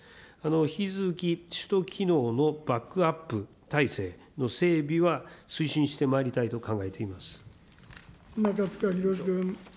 引き続き、首都機能のバックアップ体制の整備は推進してまいりたいと考えて中司宏君。